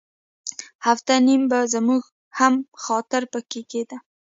هفته نیمه به زموږ هم خاطر په کې کېده.